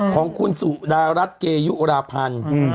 ของคุณสุดารัฐเกยุราพันธ์